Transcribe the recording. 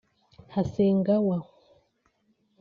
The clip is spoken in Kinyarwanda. Hasegawa